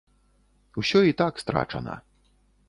Усё і так страчана.